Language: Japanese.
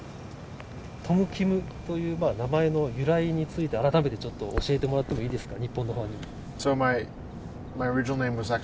◆トム・キムという名前の由来について、改めてちょっと教えてもらってもいいですか。